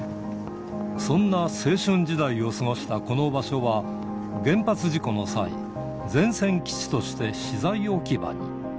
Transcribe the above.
そんな青春時代を過ごしたこの場所は、原発事故の際、前線基地として資材置き場に。